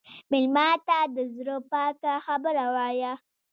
مېلمه ته د زړه پاکه خبره وایه.